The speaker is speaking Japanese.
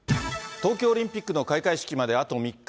東京オリンピックの開会式まであと３日。